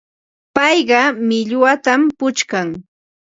Payqa millwatam puchkan.